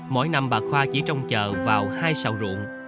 mỗi năm bà khoa chỉ trong chợ vào hai sào ruộng